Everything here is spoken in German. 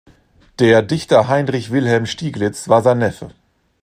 Der Dichter Heinrich Wilhelm Stieglitz war sein Neffe.